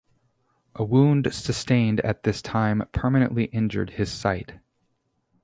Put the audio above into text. A wound sustained at this time permanently injured his sight.